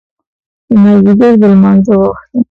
د مازدیګر د لمانځه وخت شو.